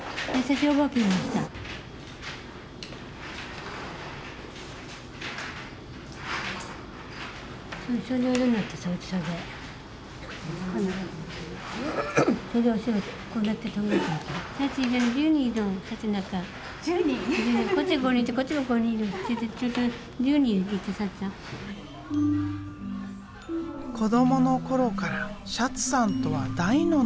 子どもの頃からシャツさんとは大の仲良し。